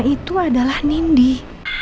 kita sudah berdua